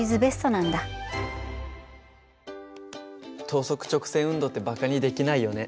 等速直線運動ってばかにできないよね。